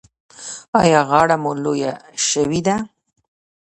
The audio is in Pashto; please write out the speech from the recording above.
ایا غاړه مو لویه شوې ده؟